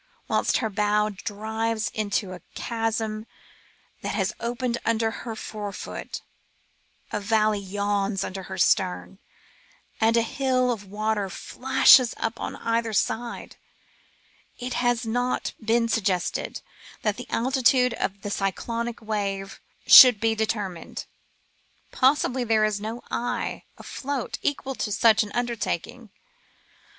Whilst her bows dive into a chasm that has opened under her fore foot, a valley yawns under her stern, and a hill of water flashes up on either side. It has not been suggested that the altitude of the cyclonic wave should be deter mined. Probably there is no eye afloat equal to such an undertaking.